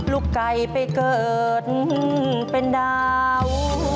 ลูกไก่ไปเกิดเป็นดาว